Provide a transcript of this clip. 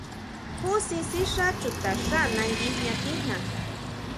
Jusin sixá chutaxá nangui jña tijnaa.